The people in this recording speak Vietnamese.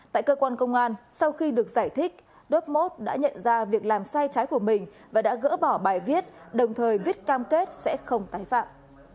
tại cơ quan công an sau khi được giải thích đốt mốt đã nhận ra việc làm sai trái của mình và đã gỡ bỏ bài viết đồng thời viết cam kết sẽ không tái phạm